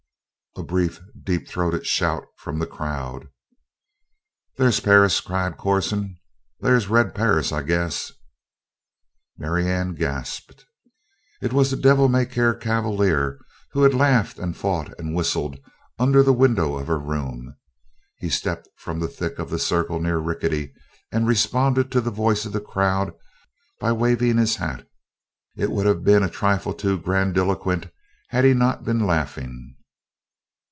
A brief, deep throated shout from the crowd. "There's Perris!" cried Corson. "There's Red Perris, I guess!" Marianne gasped. It was the devil may care cavalier who had laughed and fought and whistled under the window of her room. He stepped from the thick of the circle near Rickety and responded to the voice of the crowd by waving his hat. It would have been a trifle too grandiloquent had he not been laughing.